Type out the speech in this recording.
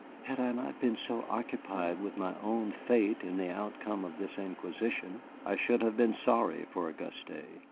Had I not been so occupied with my own fate in the outcome of this inquisition, I should have been sorry for Auguste.